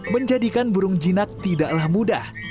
menjadikan burung jinak tidaklah mudah